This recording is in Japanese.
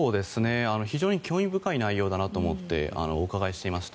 非常に興味深い内容だなと思ってお伺いしていました。